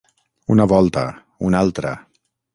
Una volta, una altra.